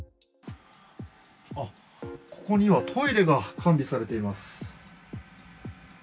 ここにはトイレが完備されています。